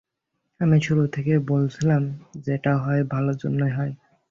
আমি শুরু থেকেই বলছিলাম, যেটা হয় ভালোর জন্যই হয়।